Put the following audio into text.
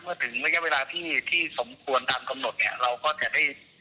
เมื่อย้อนเวลาที่สมควรเราก็จะได้